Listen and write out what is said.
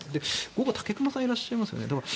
午後に武隈さんいらっしゃいますよね。